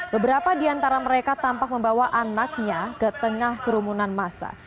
beberapa di antara mereka tampak membawa anaknya ke tengah kerumunan masa